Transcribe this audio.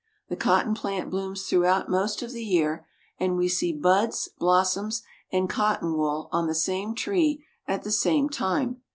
The cotton plant blooms throughout most of the year, and we see buds, blos soms, and cotton wool on the same tree at the same time.